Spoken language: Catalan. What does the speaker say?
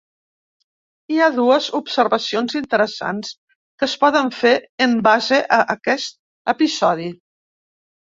Hi ha dues observacions interessants que es poden fer en base a aquest episodi.